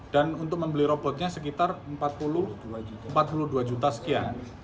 dan untuk membeli robotnya sekitar empat puluh dua juta sekian